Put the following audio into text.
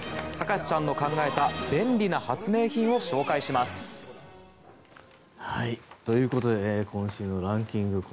博士ちゃんの考えた便利な発明品を紹介します。ということで今週のランキング